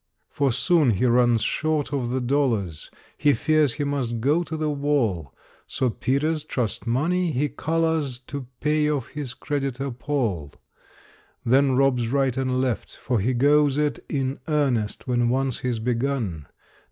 For soon he runs short of the dollars, He fears he must go to the wall; So Peter's trust money he collars To pay off his creditor, Paul; Then robs right and left for he goes it In earnest when once he's begun.